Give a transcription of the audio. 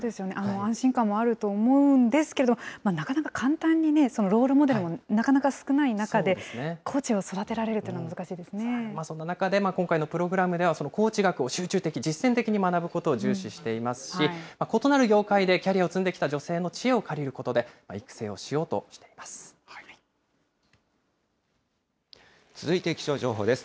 安心感もあると思うんですけど、なかなか簡単にね、そのロールモデルもなかなか少ない中で、コーチを育てられるというのは、難しそんな中で、今回のプログラムでは、コーチ学を集中的、実践的に学ぶことを重視していますし、異なる業界でキャリアを積んできた女性の知恵を借りることで、育続いて気象情報です。